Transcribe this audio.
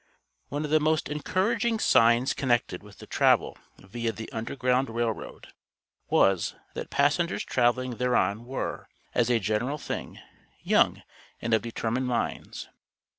One of the most encouraging signs connected with the travel viâ the Underground Rail Road was, that passengers traveling thereon were, as a general thing, young and of determined minds.